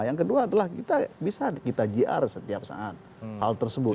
yang kedua adalah kita bisa kita jr setiap saat hal tersebut